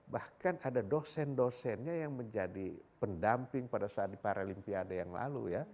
bahkan ada dosen dosennya yang menjadi pendamping pada saat di paralimpiade yang lalu ya